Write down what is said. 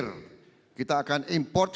setelah itu dekat akan jadi net importer